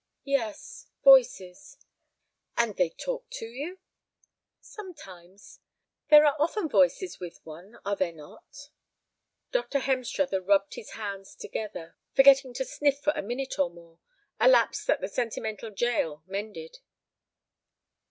"Yes, voices." "And they talk to you?" "Sometimes. There are often voices with one, are there not?" Dr. Hemstruther rubbed his hands together, forgetting to sniff for a minute or more, a lapse that the sentimental Jael mended.